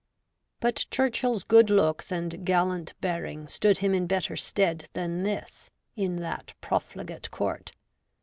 But Churchill's good looks and gallant bearing stood him in better stead than this in that profligate court.